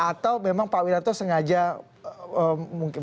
atau memang pak wiranto sengaja mungkin